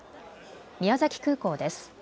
宮崎空港です。